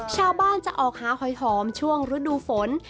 ชาวบ้านจะออกหาหอยหอมช่วงฤดูฝน